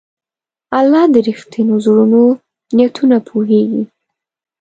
الله د رښتینو زړونو نیتونه پوهېږي.